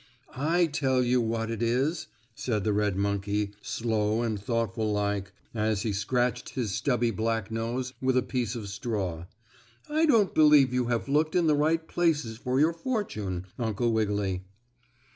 "I tell you what it is," said the red monkey, slow and thoughtful like, as he scratched his stubby black nose with a piece of straw. "I don't believe you have looked in the right places for your fortune, Uncle Wiggily."